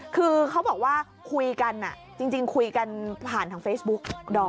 คือเขาบอกว่าคุยกันจริงคุยกันผ่านทางเฟซบุ๊กดอม